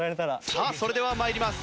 さあそれでは参ります。